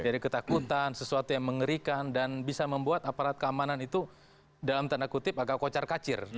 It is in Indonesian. ketakutan sesuatu yang mengerikan dan bisa membuat aparat keamanan itu dalam tanda kutip agak kocar kacir